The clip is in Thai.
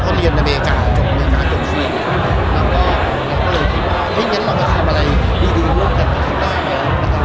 พอเรียนดเมจาจบเมืองหาจบชีวิตเราก็เลยคิดว่าเราจะทำอะไรดีดีร่วมกันกันได้แล้ว